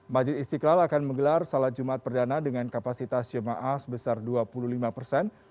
majid istiqlal akan menggelar salat jumat perdana dengan kapasitas jemaah sebesar dua puluh lima persen